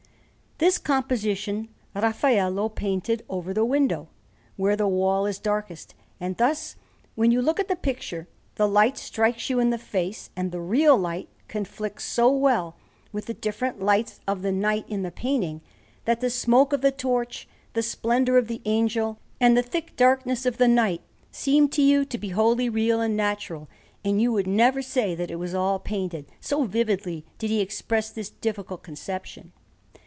This composition Raffaello painted over the window, where the wall is darkest; and thus, when you look at the picture, the light strikes you in the face, and the real light conflicts so well with the different lights of the night in the painting, that the smoke of the torch, the splendour of the Angel, and the thick darkness of the night seem to you to be wholly real and natural, and you would never say that it was all painted, so vividly did he express this difficult conception.